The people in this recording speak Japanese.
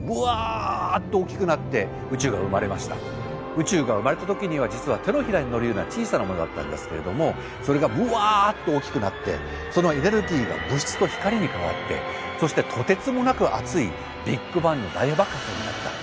宇宙が生まれた時には実は手のひらにのるような小さなものだったんですけれどもそれがぶわっと大きくなってそのエネルギーが物質と光に変わってそしてとてつもなく熱いビッグバンの大爆発になった。